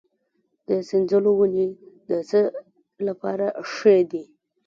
د سنځلو ونې د څه لپاره ښې دي؟